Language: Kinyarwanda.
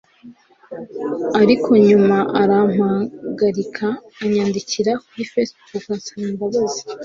ariko nyuma arampagarika anyandikira kuri facebook ansaba imbabazi